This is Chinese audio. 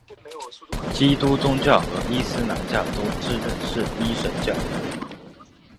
基督宗教和伊斯兰教都自认是一神教。